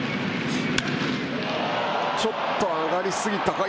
ちょっと上がりすぎたか。